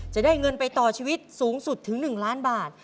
จะได้เงินไปต่อชีวิตสูงสุดถึง๑ล้านบาท